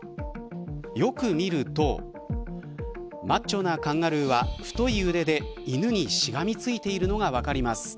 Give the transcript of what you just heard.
よく見るとマッチョなカンガルーは太い腕で犬にしがみついているのが分かります。